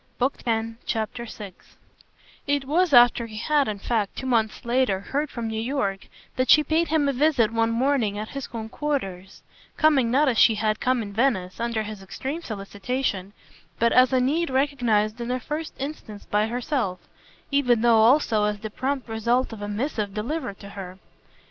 Book Tenth, Chapter 6 It was after he had in fact, two months later, heard from New York that she paid him a visit one morning at his own quarters coming not as she had come in Venice, under his extreme solicitation, but as a need recognised in the first instance by herself, even though also as the prompt result of a missive delivered to her.